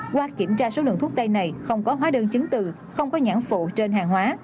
qua kiểm tra số lượng thuốc tây này không có hóa đơn chứng từ không có nhãn phụ trên hàng hóa